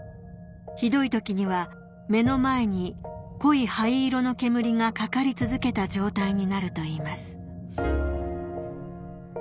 ひどい時には目の前に濃い灰色の煙がかかり続けた状態になるといいます